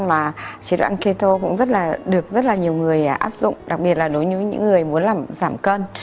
và chế độ ăn keto cũng được rất nhiều người áp dụng đặc biệt là đối với những người muốn giảm cân